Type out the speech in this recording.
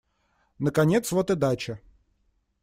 Наконец вот и дача.